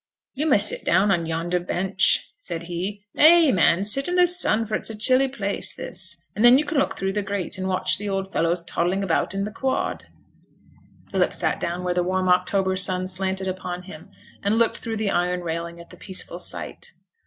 'You may sit down on yonder bench,' said he. 'Nay, man! sit i' the sun, for it's a chilly place, this, and then you can look through the grate and watch th' old fellows toddling about in th' quad.' Philip sat down where the warm October sun slanted upon him, and looked through the iron railing at the peaceful sight.